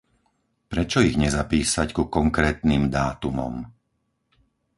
Prečo ich nezapísať ku konkrétnym dátumom?